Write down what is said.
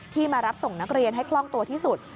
มารับส่งนักเรียนให้คล่องตัวที่สุด